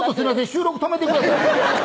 収録止めてください